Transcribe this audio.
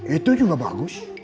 itu juga bagus